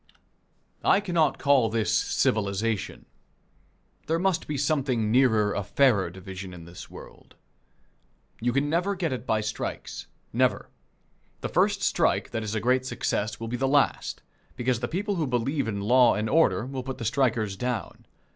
I cannot call this civilization. There must be something nearer a fairer division in this world. You can never get it by strikes. Never. The first strike that is a great success will be the last, because the people who believe in law and order will put the strikers down.